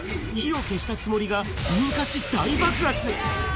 火を消したつもりが、引火し、大爆発。